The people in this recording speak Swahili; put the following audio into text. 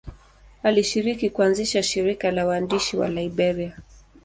Alishiriki kuanzisha shirika la waandishi wa Liberia.